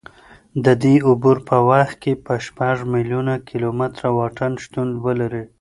د دې عبور په وخت کې به شپږ میلیونه کیلومتره واټن شتون ولري.